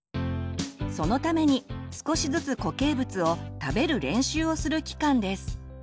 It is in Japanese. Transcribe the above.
そのために少しずつ固形物を「食べる練習」をする期間です。